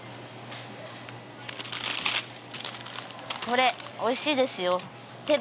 これおいしいですよ。